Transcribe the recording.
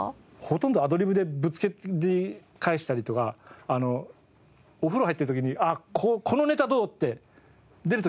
ほとんどアドリブでぶっつけで返したりとかお風呂入ってる時にあっこのネタどう？って出る時あるんですよ。